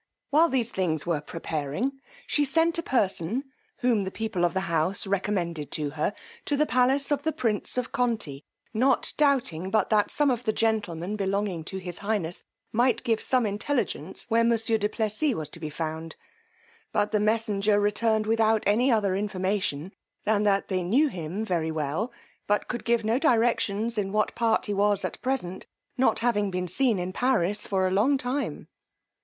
While these things were preparing, she sent a person, whom the people of the house recommended to her, to the palace of the prince of Conti, not doubting but that some of the gentlemen belonging to his highness might give some intelligence where monsieur du Plessis was to be found; but the messenger returned without any other information, than that they knew him very well, but could give no directions in what part he was at present, he not having been seen in Paris for a long time.